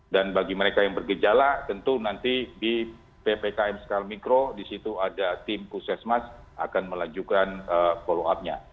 dan bagi mereka yang bergejala tentu nanti di ppkm skala mikro disitu ada tim pusat mas akan melanjutkan follow up nya